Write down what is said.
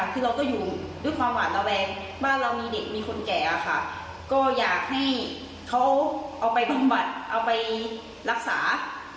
เธอเอาไปบังบัติเอาไปรักษา